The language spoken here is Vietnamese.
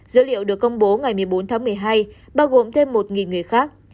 dữ liệu được công bố ngày một mươi bốn tháng một mươi hai bao gồm thêm một người khác